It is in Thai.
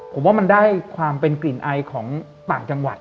ผมว่ามันได้ความเป็นกลิ่นไอของต่างจังหวัด